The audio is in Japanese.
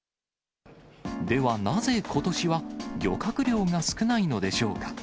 では、なぜことしは漁獲量が少ないのでしょうか。